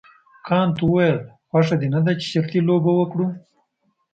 کانت وویل خوښه دې نه ده چې شرطي لوبه وکړو.